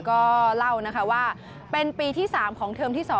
ก็เล่านะคะว่าเป็นปีที่๓ของเทอมที่๒